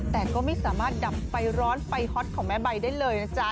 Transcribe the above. แต่ก็ไม่สามารถดับไฟร้อนไฟฮอตของแม่ใบได้เลยนะจ๊ะ